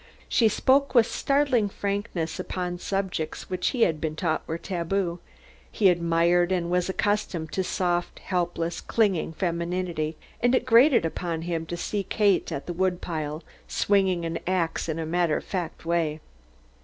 She spoke with startling frankness upon subjects which he had been taught were taboo. He admired and was accustomed to soft, helpless, clinging femininity, and it grated upon him to see Kate at the woodpile swinging an axe in a matter of fact way.